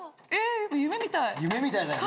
夢みたい。